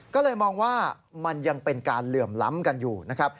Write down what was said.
ก็เลยมองว่ามันยังเป็นการเหลื่อมล้ำกันอยู่นะครับ